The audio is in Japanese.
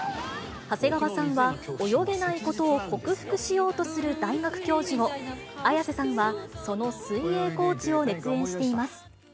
長谷川さんは、泳げないことを克服しようとする大学教授を、綾瀬さんは、その水泳コーチを熱演しています。